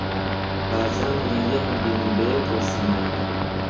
بارزان و مەریەمم بینی بەیەکەوە سەمایان دەکرد.